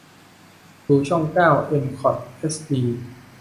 ดูช่องเก้าเอ็มคอตเอชดี